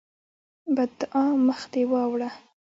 بدعا: مخ دې واوړه!